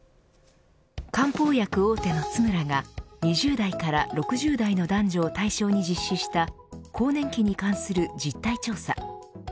漢方薬大手のツムラが２０代から６０代の男女を対象に実施した更年期に関する実態調査。